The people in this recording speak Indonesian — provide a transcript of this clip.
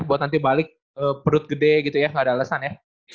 kalo mau balik perut gede gitu ya gak ada alesan ya